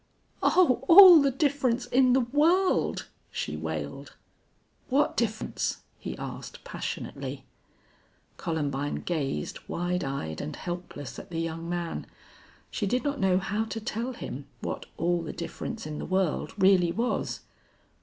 "Oh, all the difference in the world!" she wailed. "What difference?" he asked, passionately. Columbine gazed wide eyed and helpless at the young man. She did not know how to tell him what all the difference in the world really was.